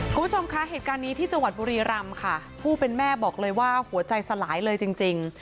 คุณผู้ชมคะเหตุการณ์นี้ที่จังหวัดบุรีรำค่ะผู้เป็นแม่บอกเลยว่าหัวใจสลายเลยจริงจริง